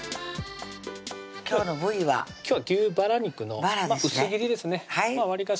今日は牛バラ肉の薄切りですねわりかし